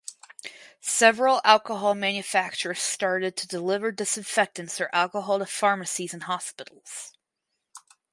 Several alcohol manufacturers started to deliver disinfectants or alcohol to pharmacies and hospitals.